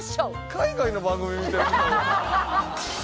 海外の番組見てるみたいやな。